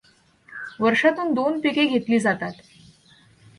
वर्षातून दोन पिके घेतली जातात.